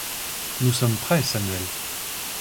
Nous sommes prêts, Samuel.